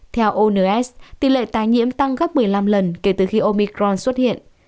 theo ons tỷ lệ tái nhiễm tăng gấp một mươi năm lần kể từ khi omicron xuất hiện